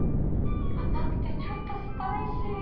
甘くてちょっとスパイシー。